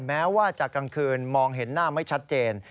แม้ว่าจากกลางคืนมองเห็นหน้าไม่ชัดเจน